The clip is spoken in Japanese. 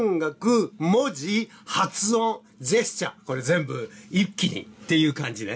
これ全部一気にっていう感じね。